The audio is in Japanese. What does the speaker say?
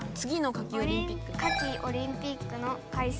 夏季オリンピックの開催。